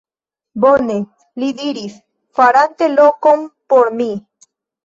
Bone! li diris, farante lokon por mi.